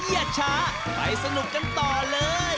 อย่าช้าไปสนุกกันต่อเลย